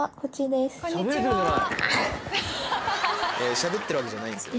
しゃべってるわけじゃないんですよ。